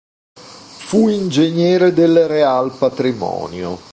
Fu Ingegnere del Real Patrimonio.